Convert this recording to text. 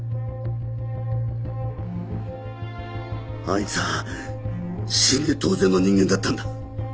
あいつは死んで当然の人間だったんだ。